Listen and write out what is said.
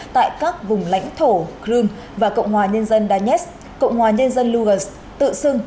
tại các vùng lãnh thổ crimea và cộng hòa nhân dân donetsk cộng hòa nhân dân lugansk tự xưng